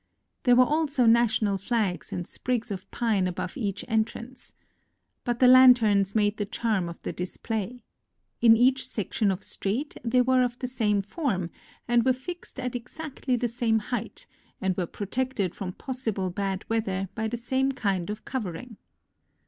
There were also national flags and sprigs of pine above each entrance. But the lanterns made the charm of the display. In each section of street they were of the same form, and were fixed at exactly the same height, and were pro tected from possible bad weather by the same kind of covering.